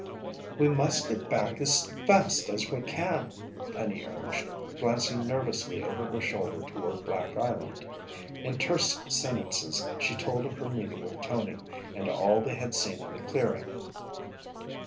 "We must get back as fast as we can," Penny urged, glancing nervously over her shoulder toward Black Island. In terse sentences she told of her meeting with Tony and all they had seen in the clearing.